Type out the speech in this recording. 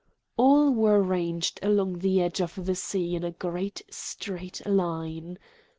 All were ranged along the edge of the sea in a great straight line.